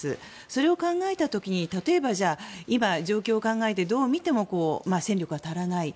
それを考えた時に例えば今、状況を考えてどう見ても戦力が足らない。